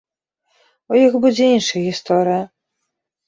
У іх будзе іншая гісторыя.